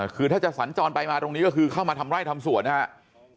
คือถ้าจะสัญจรไปมาตรงนี้ก็คือเข้ามาทำไร่ทำสวนนะครับ